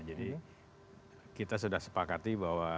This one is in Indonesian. kita sudah sepakati bahwa